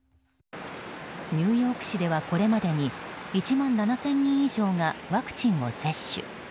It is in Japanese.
ニューヨーク市ではこれまでに１万７０００人以上がワクチンを接種。